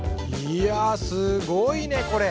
いやすごいねこれ。